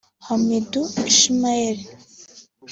Hamidu Ishmeal